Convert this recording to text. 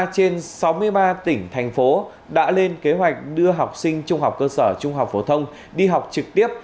một mươi trên sáu mươi ba tỉnh thành phố đã lên kế hoạch đưa học sinh trung học cơ sở trung học phổ thông đi học trực tiếp